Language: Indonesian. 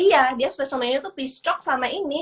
iya dia special menu tuh piscok sama ini